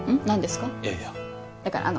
何ですか？